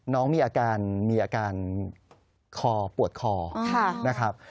น้องมีอาการมีอาการคอปวดคอนะครับ